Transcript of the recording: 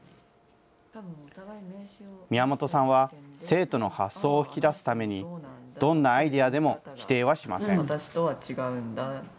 宮本さんは、生徒の発想を引き出すために、どんなアイデアでも否定はしません。